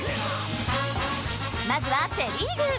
まずはセ・リーグ。